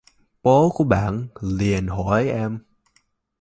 bố của bạn liền hỏi em